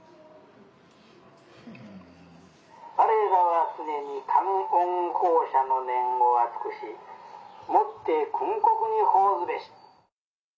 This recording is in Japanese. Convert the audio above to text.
「我らは常に感恩報謝の念をあつくしもって君国に奉ずべし」。